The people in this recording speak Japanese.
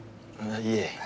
いえ。